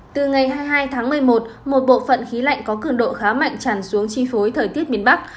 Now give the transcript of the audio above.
từ ngày hai mươi hai tháng một mươi một một bộ phận khí lạnh có cường độ khá mạnh tràn xuống chi phối thời tiết miền bắc